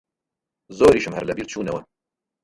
زۆریشم هەر لەبیر چوونەوە